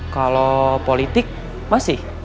kalo politik masih